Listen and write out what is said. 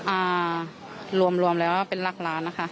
อ่ารวมเลยว่าเป็นหลักล้านนะคะ